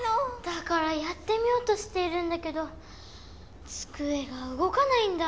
だからやってみようとしているんだけどつくえがうごかないんだ！